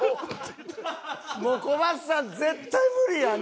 もうコバさん絶対無理やん！